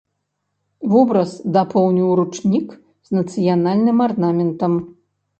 Вобраз дапоўніў ручнік з нацыянальным арнаментам.